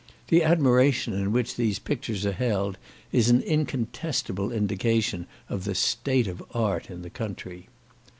The admiration in which these pictures are held, is an incontestable indication of the state of art in the country.